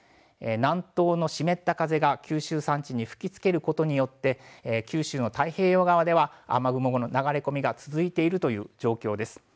南東の湿った風が九州山地に吹きつけることによって九州の太平洋側では雨雲の流れ込みが続いているという状況です。